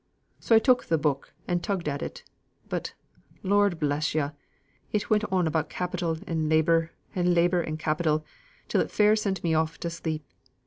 So I took th' book and tugged at it; but, Lord bless yo', it went on about capital and labour, and labour and capital, till it fair sent me off to sleep.